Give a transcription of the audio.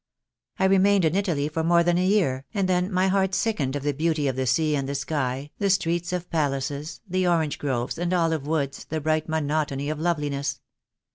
I remained in Italy for more than a year, and then my heart sickened of the beauty of the sea and sky, the streets of palaces, the orange groves and olive woods, the bright monotony of loveliness.